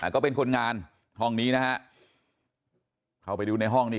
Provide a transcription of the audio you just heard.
ก็เป็นคนงานห้องนี้นะฮะเข้าไปดูในห้องนี่